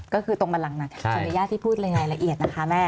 ก็คือตรงบันลังค์น่ะธรรมยาที่พูดรายละเอียดนะคะแม่